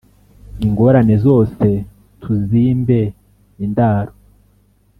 Ingorane zose tuzimpe indaro